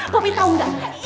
popi tau gak